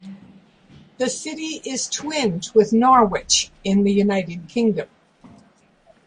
The city is twinned with Norwich in the United Kingdom.